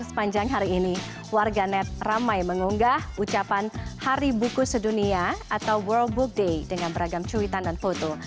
sepanjang hari ini warganet ramai mengunggah ucapan hari buku sedunia atau world world day dengan beragam cuitan dan foto